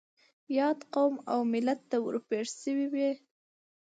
ياد قوم او ملت ته ور پېښ شوي وي.